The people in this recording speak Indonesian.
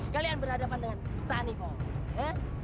kalian berhadapan dengan sani poh